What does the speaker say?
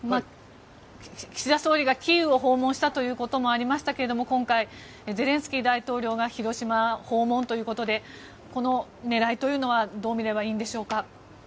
岸田総理がキーウを訪問したこともありましたが今回、ゼレンスキー大統領が広島を訪問ということでこの狙いというのはどう見ればいいんでしょうか？